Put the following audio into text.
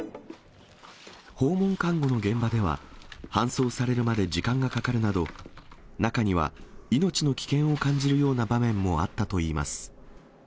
訪問看護の現場では、搬送されるまで時間がかかるなど、中には命の危険を感じるような場面もあったといいます。